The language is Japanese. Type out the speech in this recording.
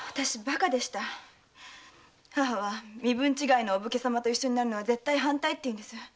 母は身分違いのお武家様と一緒になるのは絶対に反対だと言うんです。